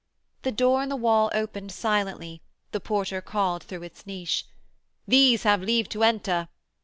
The door in the wall opened silently, the porter called through his niche: 'These have leave to enter.'